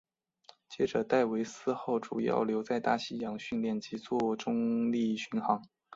接着戴维斯号主要留在大西洋训练及作中立巡航。